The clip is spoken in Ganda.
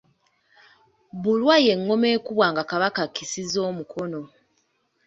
Bulwa y’engoma ekubwa nga Kabaka akisizza omukono.